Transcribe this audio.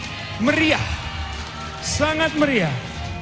tapi meriah sangat meriah